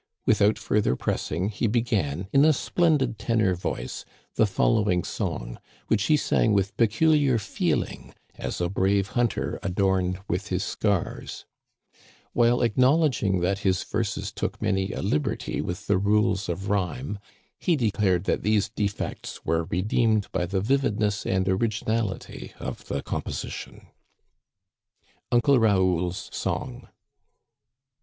Without further pressing he began, in a splendid tenor voice, the follow ing song, which he sang with peculiar feeling as a brave hunter adorned with his scars. While acknowledging that his verses took many a liberty with the rules of rhyme, he declared that these defects were redeemed by the vividness and originality of the composition. Digitized by VjOOQIC THE FEAST OF ST. JEAN BAP TI S T£. 131 UNCLE RAOUL»S SONG.